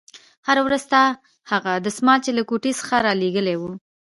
هره ورځ ستا هغه دسمال چې له کوټې څخه دې رالېږلى و.